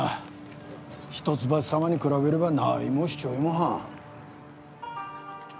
一橋様に比べれば何もしちょりもはん。